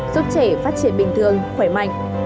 giúp trẻ phát triển bình thường khỏe mạnh